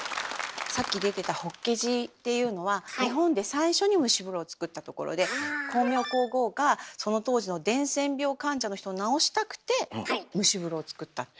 さっき出てた法華寺っていうのは日本で最初に蒸し風呂をつくったところで光明皇后がその当時の伝染病患者の人を治したくて蒸し風呂をつくったって。